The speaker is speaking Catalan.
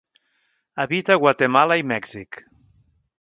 Habita a Guatemala i Mèxic.